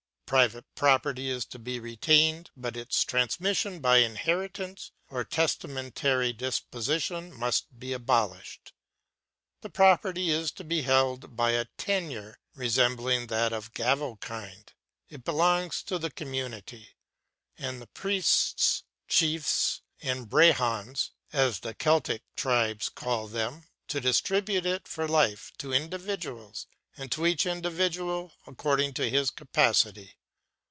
Private property is to be retained, but its transmission by inheritance or testamentary disposition must be abolished. The property is to be held by a tenure resembling that of gavel kind. It belongs to the community, and the priests, chiefs, or brehons, as the Celtic tribes call them, to distribute it for life to individuals, and to each individual according to his capacity.